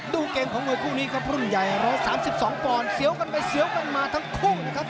ดูเกมของมวยคู่นี้ครับรุ่นใหญ่๑๓๒ปอนด์เสียวกันไปเสียวกันมาทั้งคู่นะครับ